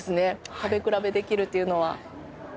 食べ比べできるっていうのは。